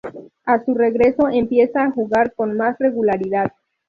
A su regreso empieza a jugar con más regularidad.